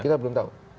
kita belum tahu